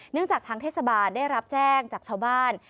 จากทางเทศบาลได้รับแจ้งจากชาวบ้าน